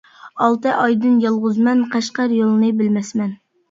ئالتە ئايدىن يالغۇزمەن، قەشقەر يولىنى بىلمەسمەن.